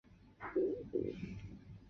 他们和他们的追随者被称为爵士迷。